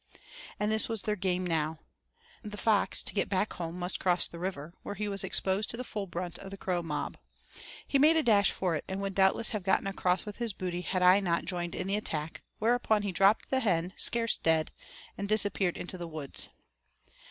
And this was their game now. The fox to get back home must cross the river, where he was exposed to the full brunt of the crow mob. He made a dash for it, and would doubtless have gotten across with his booty had I not joined in the attack, whereupon he dropped the hen, scarce dead, and disappeared in the woods.